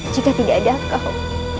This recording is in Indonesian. jika tidak ada kau